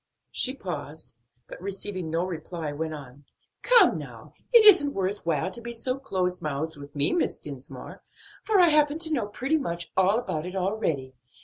She paused, but receiving no reply, went on. "Come now, it isn't worth while to be so close mouthed with me, Miss Dinsmore; for I happen to know pretty much all about it already.